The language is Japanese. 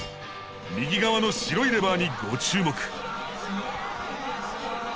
右側の白いレバーにご注目。